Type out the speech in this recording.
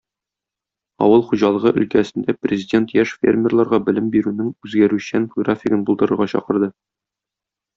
Авыл хуҗалыгы өлкәсендә Президент яшь фермерларга белем бирүнең үзгәрүчән графигын булдырырга чакырды.